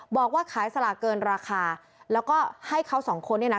บอกว่าขายสลากเกินราคาแล้วก็ให้เขาสองคนเนี่ยนะ